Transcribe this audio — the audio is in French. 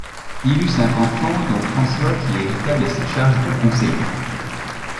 Il eut cinq enfants dont François qui hérita de sa charge de conseiller.